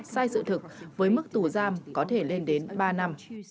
sai sự thực với mức tù giam có thể lên đến ba năm